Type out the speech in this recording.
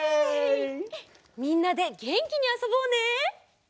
みんなでげんきにあそぼうね！